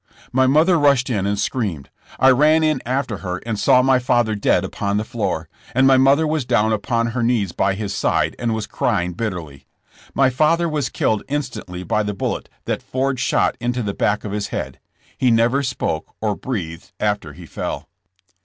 My mother rushed in and screamed. I ran in after her and saw my father dead upon the floor, and my mother was down upon her knees by his side and was crying bitterly. My father was killed instantly by the bullet that Ford shot into the back of his head. He never spoke or breathed after he fell.